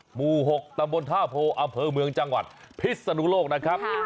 หมู่๖ตำบลท่าโพอำเภอเมืองจังหวัดพิศนุโลกนะครับ